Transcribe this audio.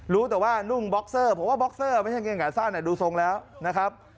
รู้แต่ว่านุ่งบ็อกเซอร์ผมว่าบ็อกเซอร์ไม่ใช่เกงหงาสั้นดูทรงแล้วนะครับ